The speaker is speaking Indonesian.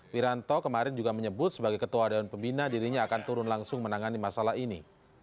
wiranto kemarin juga menyebut sebagai ketua dewan pembina dirinya akan turun langsung menangani masalah ini